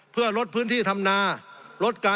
สงบจนจะตายหมดแล้วครับ